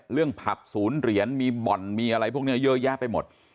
ผับศูนย์เหรียญมีบ่อนมีอะไรพวกนี้เยอะแยะไปหมด